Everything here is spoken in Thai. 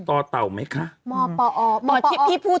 พอซื้อข้าวให้กินกันอยู่